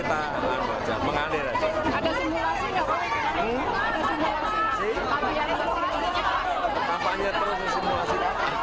tampaknya terus simulasi